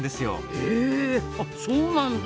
へえそうなんだ！